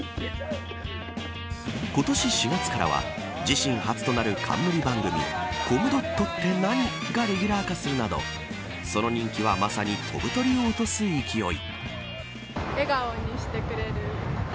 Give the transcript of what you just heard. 今年４月からは自身初となる冠番組コムドットって何？がレギュラー化するなどその人気はまさに飛ぶ鳥を落とす勢い。